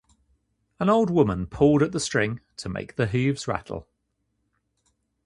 An old woman pulled at the string to make the hooves rattle.